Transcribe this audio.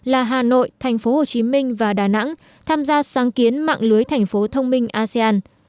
là hà nội thành phố hồ chí minh và đà nẵng tham gia sáng kiến mạng lưới thành phố thông minh asean